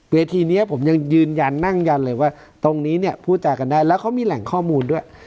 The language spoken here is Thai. เวทีนี้ผมยังยืนยันนั่งยันเลยว่าตรงนี้เนี่ยพูดจากันได้แล้วเขามีแหล่งข้อมูลด้วย